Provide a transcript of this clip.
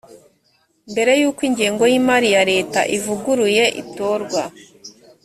mbere y’uko ingengo y’imari ya leta ivuguruye itorwa